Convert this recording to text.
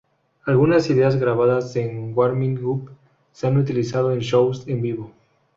Algunas ideas grabadas en "Warming Up" se han utilizado en sus shows en vivo.